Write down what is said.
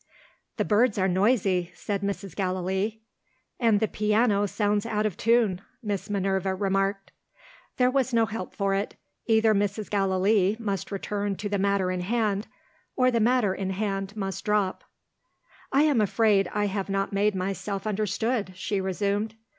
"The birds are noisy," said Mrs. Gallilee. "And the piano sounds out of tune," Miss Minerva remarked. There was no help for it. Either Mrs. Gallilee must return to the matter in hand or the matter in hand must drop. "I am afraid I have not made myself understood," she resumed.